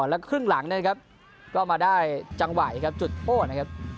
แล้วครึ่งหลังก็มาได้จังหวัยจุดโป้น